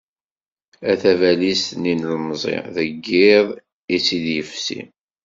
A tabalizt n yilemẓi, deg yiḍ i tt-id-ifessi.